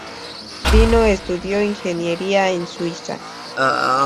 Dino estudió ingeniería en Suiza.